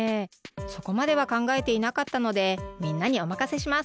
そこまではかんがえていなかったのでみんなにおまかせします。